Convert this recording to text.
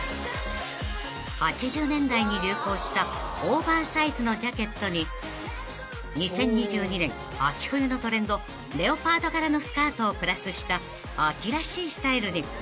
［８０年代に流行したオーバーサイズのジャケットに２０２２年秋冬のトレンドレオパード柄のスカートをプラスした秋らしいスタイルに］